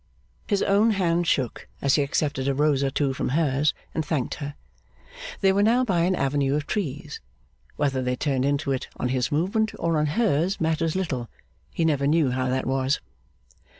His own hand shook, as he accepted a rose or two from hers and thanked her. They were now by an avenue of trees. Whether they turned into it on his movement or on hers matters little. He never knew how that was.